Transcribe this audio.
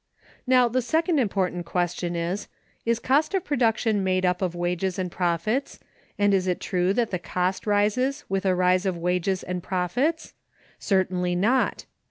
Now the second important question is, Is cost of production made up of wages and profits, and is it true that the cost rises with a rise of wages and profits? Certainly not.